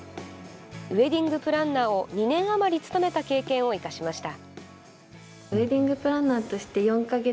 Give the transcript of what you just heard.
ウエディングプランナーを２年余り務めた経験を生かしました。